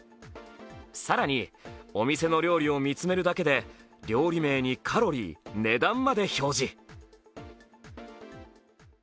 更にお店の料理を見つめるだけで料理名にカロリー、値段まで表示。